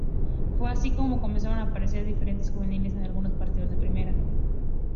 Fue así como comenzaron a aparecer diferentes juveniles en algunos partidos de primera.